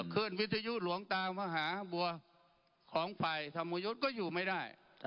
ขึ้นวิทยุหลวงตามหาบัวของฝ่ายธรรมยุทธ์ก็อยู่ไม่ได้